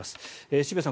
渋谷さん